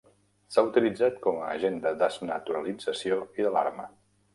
S'ha utilitzat com a agent de desnaturalització i d'alarma.